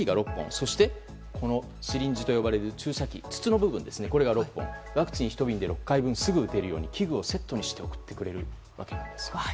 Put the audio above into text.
そして、シリンジと呼ばれる注射器の筒の部分が６本ワクチン１瓶で６回分すぐ打てるように器具をセットにして送ってくれるということです。